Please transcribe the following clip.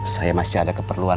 saya masih ada keperluan